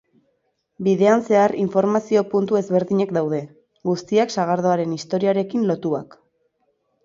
Bidean zehar informazio puntu ezberdinak daude, guztiak sagardoaren historiarekin lotuak.